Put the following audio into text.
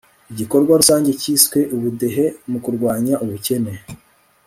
igikorwa rusange cyiswe ubudehe mu kurwanya ubukene